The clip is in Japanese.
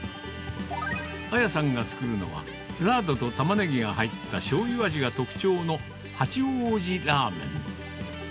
あやさんが作るのは、ラードとタマネギが入ったしょうゆ味が特徴の八王子ラーメン。